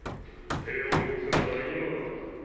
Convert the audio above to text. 手を打つなら今だ。